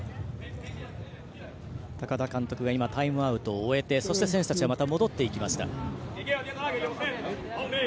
高田監督が今、タイムアウトを終えて選手たちが戻っていきました。